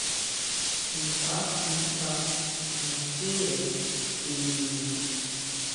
Nkʼa kjinkʼa naxínre tsinina.